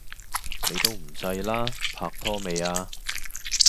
你都唔細啦！拍拖未呀